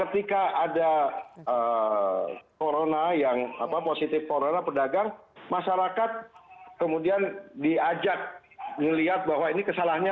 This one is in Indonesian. ketika ada corona yang positif corona pedagang masyarakat kemudian diajak melihat bahwa ini kesalahannya